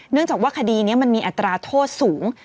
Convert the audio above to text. จากว่าคดีนี้มันมีอัตราโทษสูง